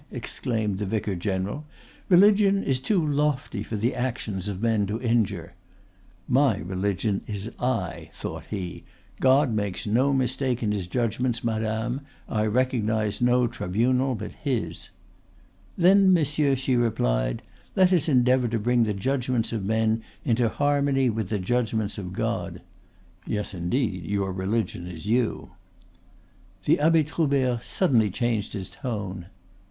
exclaimed the vicar general. "Religion is too lofty for the actions of men to injure." ("My religion is I," thought he.) "God makes no mistake in His judgments, madame; I recognize no tribunal but His." "Then, monsieur," she replied, "let us endeavor to bring the judgments of men into harmony with the judgments of God." ("Yes, indeed, your religion is you.") The Abbe Troubert suddenly changed his tone.